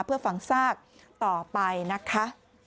เพื่อฝังซากต่อไปนะคะ